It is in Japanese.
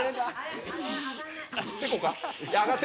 てこか？